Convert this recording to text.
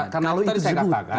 kalau itu disebut